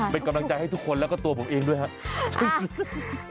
เป็นกำลังใจให้ทุกคนแล้วก็ตัวผมเองด้วยครับ